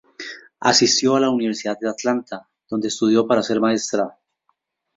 Asistió a la Universidad de Atlanta, donde estudió para ser maestra.